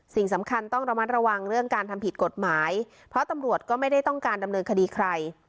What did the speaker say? สิ่งสำคัญต้องระมัดระวังเรื่องการทำผิดกฎหมายเพราะตำรวจก็ไม่ได้ต้องการดำเนินคดีใคร